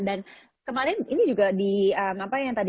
dan kemarin ini juga di apa ya tadi